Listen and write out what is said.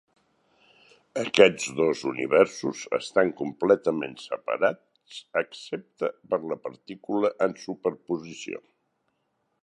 Aquests dos universos estan completament separats excepte per la partícula en superposició.